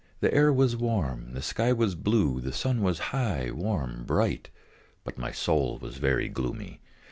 The air was warm, the sky was blue, the sun was high, warm, bright, but my soul was very gloomy.